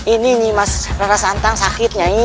ini ini mas rara santang sakit nyai